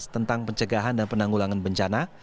tentang pencegahan dan penanggulangan bencana